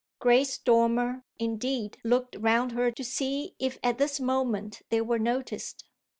Grace Dormer indeed looked round her to see if at this moment they were noticed.